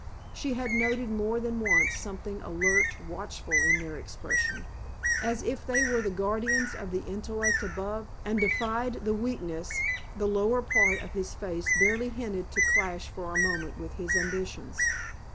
She had noted more than once something alert, watchful, in their expression, as if they were the guardians of the intellect above and defied the weakness the lower part of his face barely hinted to clash for a moment with his ambitions.